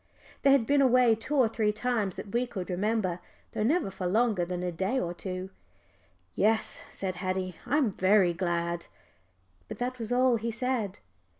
They had been away two or three times that we could remember, though never for longer than a day or two. "Yes," said Haddie, "I'm very glad." But that was all he said.